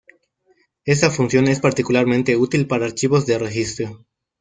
Esta función es particularmente útil para archivos de registro.